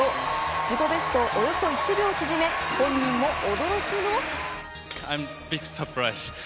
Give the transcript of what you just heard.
自己ベストをおよそ１秒縮め本人も驚きの。